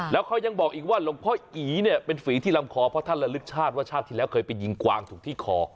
แล้วเขายังบอกอีกว่าหลวงพ่ออีเนี่ยเป็นฝีที่ลำคอเพราะท่านระลึกชาติว่าชาติที่แล้วเคยไปยิงกวางถูกที่คอ